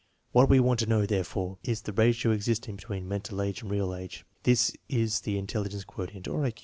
What we want to know, therefore, is the ratio existing between mental age and real age. This is the intelligence quotient, or I Q.